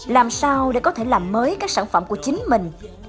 làm sao để có thể làm mới các sản phẩm của chính mình